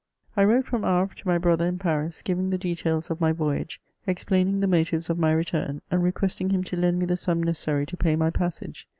I WBOTE from Havre to my brother in Baris« giving the details of my voyage, explaining the motives of my return, and re questing him to lend me the sum necessary to pay my passage.